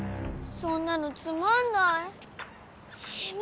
そんなのつまんない。